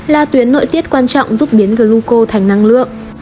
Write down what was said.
là tuyến nội tiết quan trọng giúp biến guco thành năng lượng